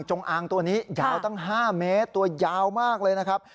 อางตัวนี้ยาวตั้ง๕เมตรตัวยาวมากเลยนะครับ